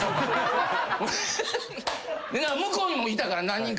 向こうにもいたから何人か。